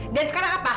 dan sekarang apa